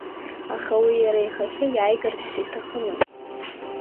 Аха уи иара ихахьы иааигарцгьы иҭахымызт.